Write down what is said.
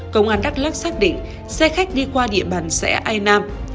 công an đắk lắc xác định xe khách đi qua địa bàn xã ai nam